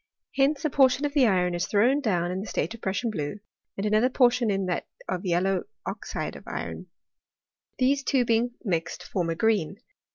Hence a portion of the iron is thrown down in the state of Prussian blue, and another por ,tion in that of yellow oxide of iron : these two being mixed form a green.